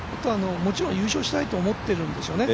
もちろん優勝したいと思っているんでしょうね。